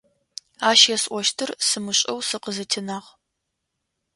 Ащ есӀощтыр сымышӀэу сыкъызэтенагъ.